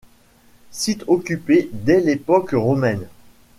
Site occupé dès l'époque romaine.